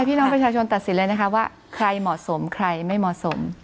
พี่น้องประชาชนตัดสินเลยนะคะว่าใครเหมาะสมใครไม่เหมาะสม